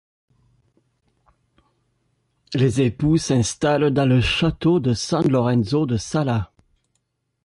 Les époux s’installent dans le château de San Lorenzo de Sala.